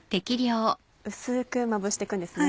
薄くまぶして行くんですね。